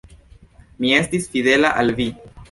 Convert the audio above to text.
Mi estis fidela al vi!..